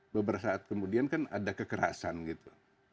beberapa saat kemudian kan ada kekerasan gitu